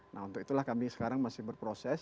nah untuk itulah kami sekarang masih berproses